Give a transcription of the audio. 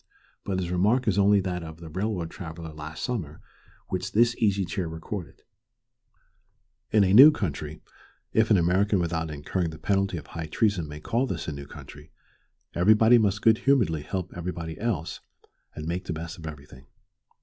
But his remark is only that of the railroad traveller last summer which this Easy Chair recorded. In a new country if an American without incurring the penalty of high treason may call this a new country everybody must good humoredly help everybody else, and make the best of everything.